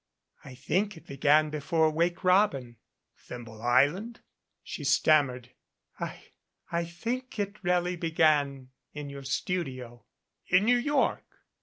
"I think it began before 'Wake Robin'?" "Thimble Island?" She stammered. "I I think it really began in your studio." "In New York?"